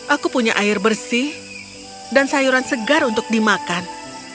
aku punya air bersih dan sayuran segar untuk dimakan